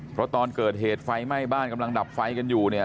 เพราะตอนเกิดเหตุไฟไหม้บ้านกำลังดับไฟกันอยู่เนี่ย